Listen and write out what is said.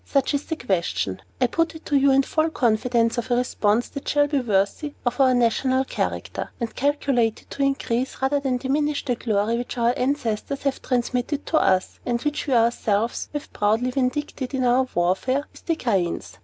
Such is the question. I put it to you in full confidence of a response that shall be worthy of our national character, and calculated to increase, rather than diminish, the glory which our ancestors have transmitted to us, and which we ourselves have proudly vindicated in our warfare with the cranes."